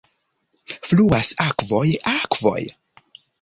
Fluas akvoj, akvoj.